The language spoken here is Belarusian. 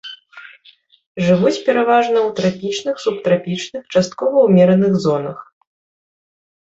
Жывуць пераважна ў трапічных, субтрапічных, часткова ўмераных зонах.